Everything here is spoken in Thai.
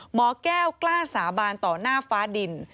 หมอแก้วกล้าสาบานต่อหน้าฟ้าดิน